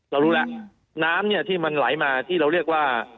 เรารู้แล้วน้ำเนี่ยที่มันไหลมาที่เราเรียกว่า